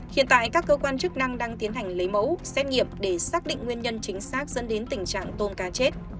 hiện tại các cơ quan chức năng đang tiến hành lấy mẫu xét nghiệm để xác định nguyên nhân chính xác dẫn đến tình trạng tôm cá chết